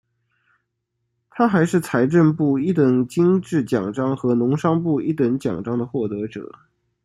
他还是财政部一等金质奖章和农商部一等奖章的获得者。